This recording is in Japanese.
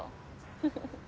フフフ。